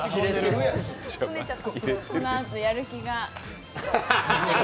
このあとやる気が。